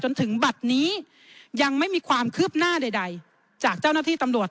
จนถึงบัตรนี้ยังไม่มีความคืบหน้าใดจากเจ้าหน้าที่ตำรวจ